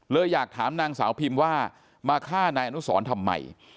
อยากถามนางสาวพิมว่ามาฆ่านายอนุสรทำไม